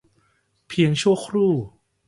เพียงชั่วครู่